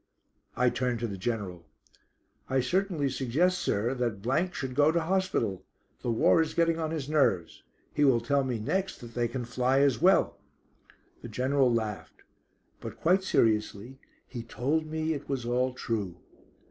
I turned to the General. "I certainly suggest, sir, that should go to hospital; the war is getting on his nerves. He will tell me next that they can fly as well." The General laughed. But quite seriously he told me it was all true.